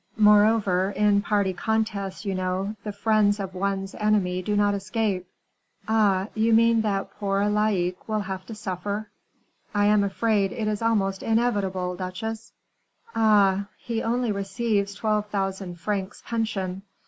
"Moreover, in party contests, you know, the friends of one's enemy do not escape." "Ah! you mean that poor Laicques will have to suffer." "I am afraid it is almost inevitable, duchesse." "Oh! he only receives twelve thousand francs pension."